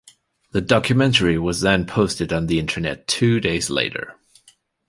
The documentary was then posted on the internet two days later.